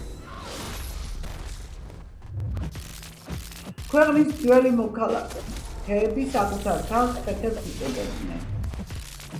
ქვეყნის ძველი მოქალაქეები საკუთარ თავს ხეთებს უწოდებდნენ.